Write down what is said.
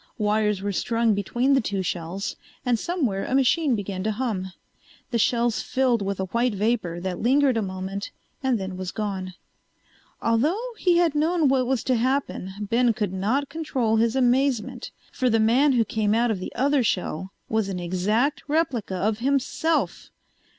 Wires were strung between the two shells and somewhere a machine began to hum. The shells filled with a white vapor that lingered a moment and then was gone. Although he had known what was to happen Ben could not control his amazement. For the man who came out of the other shell was an exact replica of himself!